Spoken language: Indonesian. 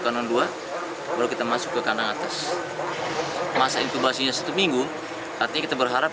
kedua baru kita masuk ke kanang atas masa intubasinya satu minggu tapi kita berharap